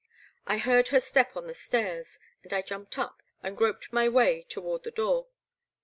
I heard her step on the stairs, and I jumped up and groped my way toward the door.